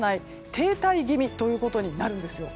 停滞気味ということになるんです。